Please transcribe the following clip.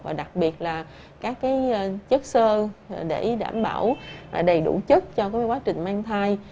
và đặc biệt là các chất sơ để đảm bảo đầy đủ chất cho quá trình mang thai